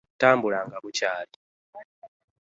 Tambula nga bukyaali!